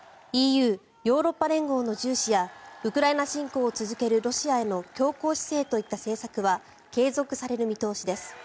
ＥＵ・ヨーロッパ連合の重視やウクライナ侵攻を続けるロシアへの強硬姿勢といった政策は継続される見通しです。